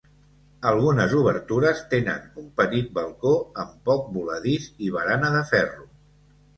Algunes obertures tenen un petit balcó amb poc voladís i barana de ferro.